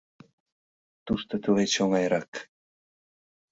Тушто тылеч оҥайрак!